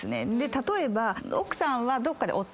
例えば。